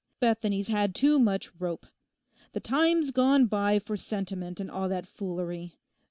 Bethany's had too much rope. The time's gone by for sentiment and all that foolery.